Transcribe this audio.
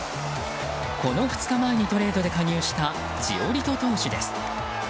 この２日前にトレードで加入したジオリト投手です。